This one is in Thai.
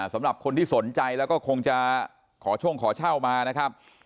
สำหรับคนที่สนใจแล้วก็คงจะขอช่วงขอเช่ามานะครับ